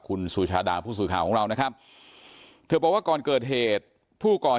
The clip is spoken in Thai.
คุณสุชาดาผู้สื่อข่าวของเรานะครับเธอบอกว่าก่อนเกิดเหตุผู้ก่อเหตุ